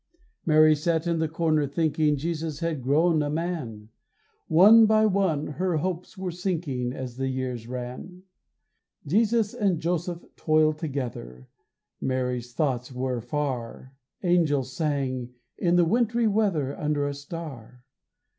Mary sat in the corner thinking, Jesus had grown a man; One by one her hopes were sinking As the years ran. Jesus and Joseph toiled together, Mary's thoughts were far Angels sang in the wintry weather Under a star.